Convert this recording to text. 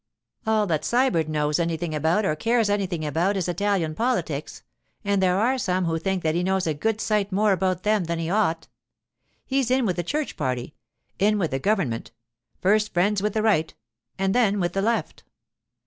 All that Sybert knows anything about or cares anything about is Italian politics, and there are some who think that he knows a good sight more about them than he ought. He's in with the Church party, in with the Government—first friends with the Right, and then with the Left.